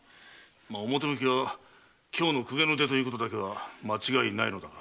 表向きは京の公家の出ということだけは間違いないのだが。